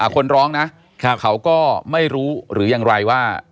คนร้องนะเขาก็ไม่รู้หรือยังไรว่า